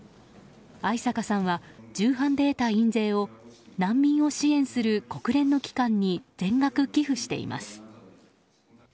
逢坂さんは重版で得た印税を難民を支援する国連の機関に全額寄付しています。